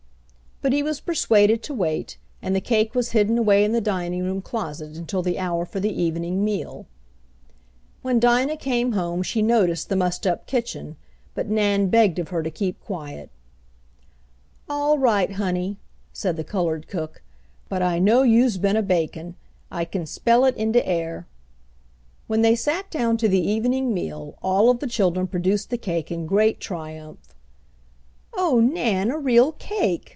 But he was persuaded to wait, and the cake was hidden away in the dining room closet until the hour for the evening meal. When Dinah came home she noticed the mussed up kitchen, but Nan begged of her to keep quiet. "All right, honey," said the colored cook. "But I know youse been a bakin' I kin smell it in de air." When they sat down to the evening meal all of the children produced the cake in great triumph. "Oh, Nan, a real cake!"